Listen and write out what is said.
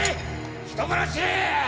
人殺し！